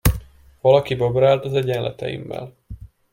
Valaki babrált az egyenleteimmel.